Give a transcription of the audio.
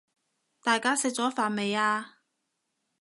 大家食咗飯未呀？